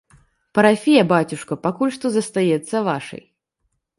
Парафія, бацюшка, пакуль што застаецца вашай.